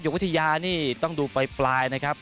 วิทยานี่ต้องดูปลายนะครับ